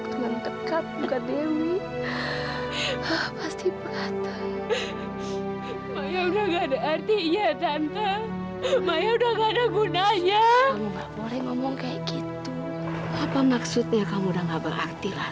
kamu ada apa kalau kamu mau cerita sama tante cerita